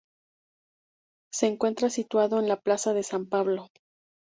Se encuentra situado en la Plaza de San Pablo.